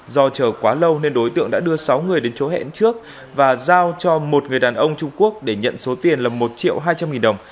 do chờ quá lâu nên đối tượng đã đưa sáu người đến chỗ hẹn trước và giao cho một người đàn ông trung quốc để nhận số tiền là một triệu hai trăm linh nghìn đồng